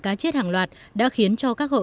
cá chết hàng loạt đã khiến cho các hộ